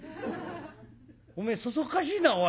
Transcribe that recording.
おめえそそっかしいなおい。